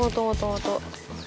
tuh tuh tuh